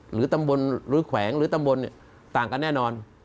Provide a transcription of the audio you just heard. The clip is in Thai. หรือตำบลหรือแขวงหรือตำบลเนี่ยต่างกันแน่นอน